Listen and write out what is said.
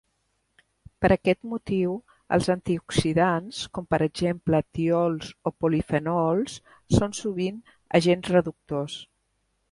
Per aquest motiu els antioxidants, com per exemple tiols o polifenols, són sovint agents reductors.